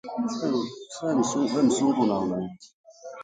Walifika uamuzi nayo amani ikazinduliwa nchini Kenya